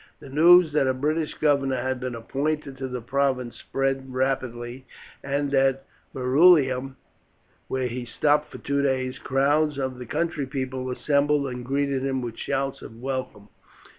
The news that a British governor had been appointed to the province spread rapidly, and at Verulamium, where he stopped for two days, crowds of the country people assembled and greeted him with shouts of welcome.